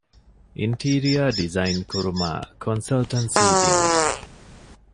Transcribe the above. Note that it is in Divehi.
އިންޓީރިއަރ ޑިޒައިން ކުރުމާއި ކޮންސަލްޓަންސީ ދިނުން